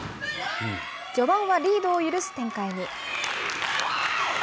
序盤はリードを許す展開に。